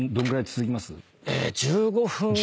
１５分⁉